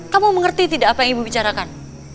kamu mengerti tidak apa yang ibu bicarakan